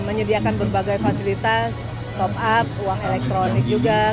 dan menyediakan berbagai fasilitas top up uang elektronik juga